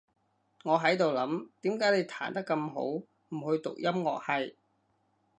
我喺度諗，點解你彈得咁好，唔去讀音樂系？